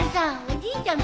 おじいちゃん